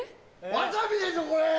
わさびでしょこれ！